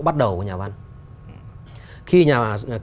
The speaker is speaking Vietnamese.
bắt đầu của nhà văn